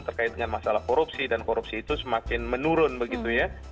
terkait dengan masalah korupsi dan korupsi itu semakin menurun begitu ya